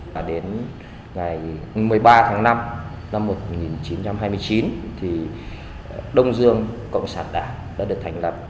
và đến ngày một mươi ba tháng năm năm một nghìn chín trăm hai mươi chín thì đông dương cộng sản đảng đã được thành lập